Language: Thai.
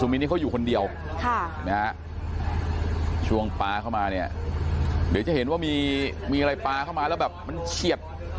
มีนี่เขาอยู่คนเดียวช่วงปลาเข้ามาเนี่ยเดี๋ยวจะเห็นว่ามีอะไรปลาเข้ามาแล้วแบบมันเฉียด